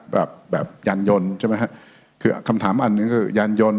แบบแบบยานยนต์ใช่ไหมฮะคือคำถามอันหนึ่งก็คือยานยนต์